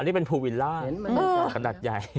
อันนี้เป็นภูวิลล่ากระดัดใหญ่